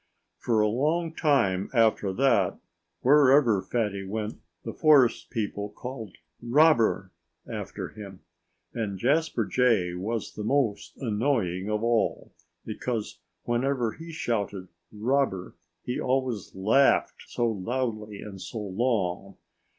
For a long time after that wherever Fatty went the forest people called "Robber!" after him. And Jasper Jay was the most annoying of all, because whenever he shouted "Robber!" he always laughed so loudly and so long.